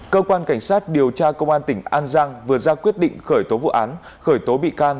cơ quan cảnh sát điều tra công an tỉnh an giang vừa ra quyết định khởi tố vụ án khởi tố bị can